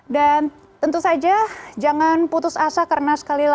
dan tentu saja jangan putus asa karena sekali lagi